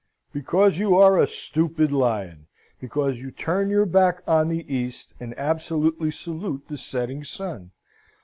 "Because you are a stupid lion. Because you turn your back on the East, and absolutely salute the setting sun.